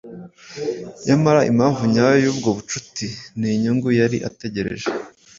Nyamara impamvu nyayo y’ubwo bucuti ni inyungu yari ategereje